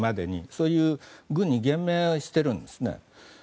そういう軍に言明しているんですね。